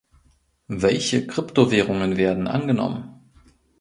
Welche Kryptowährungen werden angenommen?